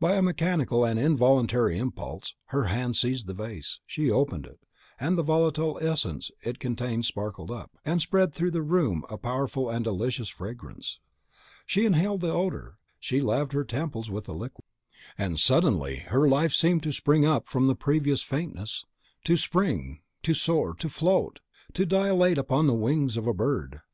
By a mechanical and involuntary impulse, her hand seized the vase; she opened it, and the volatile essence it contained sparkled up, and spread through the room a powerful and delicious fragrance. She inhaled the odour, she laved her temples with the liquid, and suddenly her life seemed to spring up from the previous faintness, to spring, to soar, to float, to dilate upon the wings of a bird.